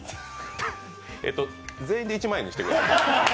全員で１万円にしてくれる？